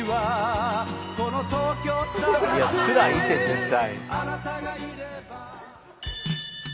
いやつらいって絶対。